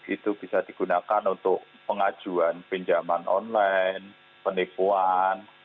itu bisa digunakan untuk pengajuan pinjaman online penipuan